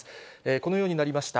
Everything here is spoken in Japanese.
このようになりました。